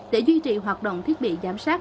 để duy trì hoạt động thiết bị giám sát